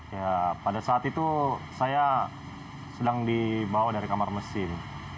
ya pada saat itu saya sedang dibawa dari kamar mesin